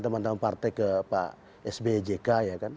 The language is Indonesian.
teman teman partai ke pak sby jk ya kan